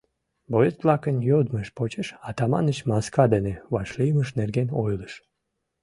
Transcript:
Боец-влакын йодмышт почеш Атаманыч маска дене вашлиймыж нерген ойлыш.